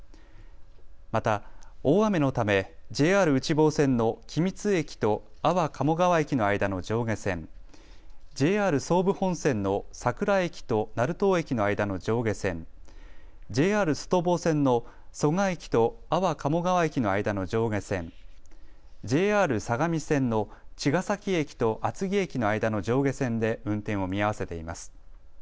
また大雨のためＪＲ内房線の君津駅と安房鴨川駅の間の上下線、ＪＲ総武本線の佐倉駅と成東駅の間の上下線、ＪＲ外房線の蘇我駅と安房鴨川駅の間の上下線、ＪＲ相模線の茅ケ崎駅と厚木駅の間の上下線で運転を見合わせています。